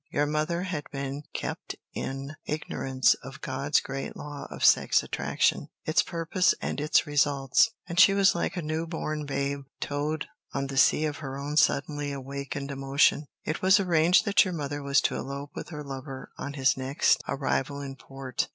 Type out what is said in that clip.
Your mother had been kept in ignorance of God's great law of sex attraction, its purpose and its results, and she was like a new born babe towed on the sea of her own suddenly awakened emotion. It was arranged that your mother was to elope with her lover on his next arrival in port.